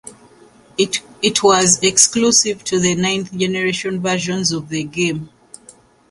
It was exclusive to the ninth generation versions of the game.